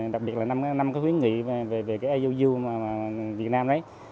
đặc biệt là năm khuyến nghị về eu u việt nam